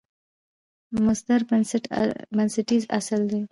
مصدر بنسټیز اصل دئ.